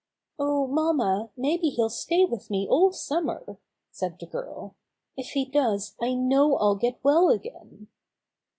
''Oh, mamma, maybe he'll stay with me all summer," said the girl. "If he does I know I'll get well again."